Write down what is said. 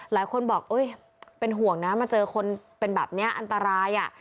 หลายคนบอกเป็นห่วงนะมาเจอคนเป็นแบบนี้อันตราย